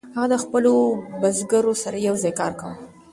هغه د خپلو بزګرو سره یوځای کار کاوه.